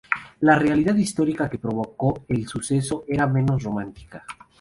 La realidad histórica que provocó el suceso era menos romántica.